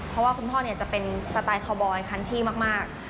เพราะว่าคุณพ่อจะเป็นสไตล์คอร์ไบล์คันทรีมาก